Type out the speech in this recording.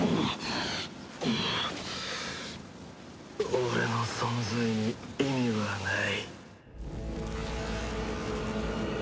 俺の存在に意味はない。